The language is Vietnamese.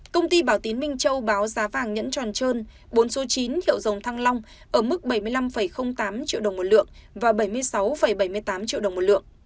công ty bảo tín minh châu báo giá vàng nhẫn tròn trơn bốn số chín hiệu dòng thăng long ở mức bảy mươi năm tám triệu đồng một lượng và bảy mươi sáu bảy mươi tám triệu đồng một lượng